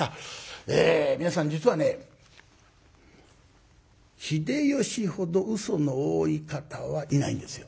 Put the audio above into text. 皆さん実はね秀吉ほどうその多い方はいないんですよ。